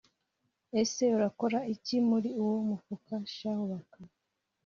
! Ese urakora iki muri uwo mufuka shahu Baka